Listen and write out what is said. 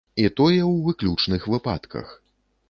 І тое ў выключных выпадках.